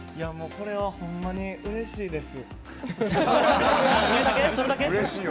これはほんまにうれしいです。